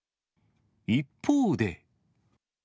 一方で。